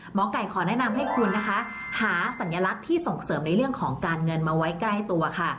หมอไก่ขอแนะนำให้คุณนะคะหาสัญลักษณ์ที่ส่งเสริมในเรื่องของการเงินมาไว้ใกล้ตัวค่ะ